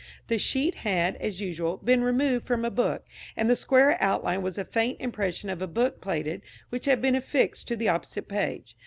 The sheet had, as usual, been removed from a book, and the square outline was a faint impression of a book plate which had been affixed to the opposite page.